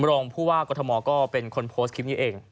รองผู้ว่ากรทมก็เป็นคนโพสต์คลิปนี้เอง